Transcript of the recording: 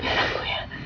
biar aku ya